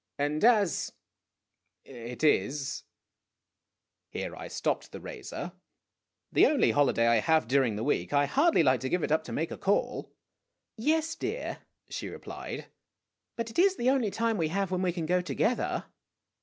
And, as it is ," here I stopped the razor, "the only holiday I have during the week, I hardly like to give it up to make a call." " Yes, dear," she re plied, " but it is the only time we have when we can go together."